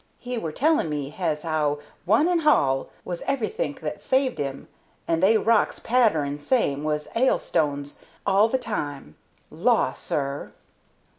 He were telling me has'ow 'One and hall' was everythink that saved 'im, and they rocks pattering same has 'ailstones hall the time. Law, sir!"